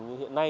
như hiện nay